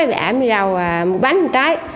bẹ ảm đi đâu mua bánh cho trái